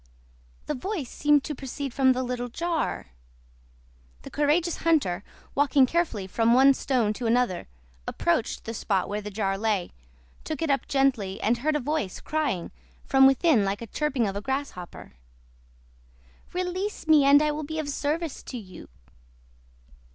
The voice seemed to proceed from the little jar. The courageous hunter, walking carefully from one stone to another, approached the spot where the jar lay, took it up gently, and heard a voice crying from within like the chirping of a grasshopper— "Release me, and I will be of service to you."